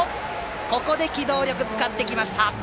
ここで機動力を使ってきました！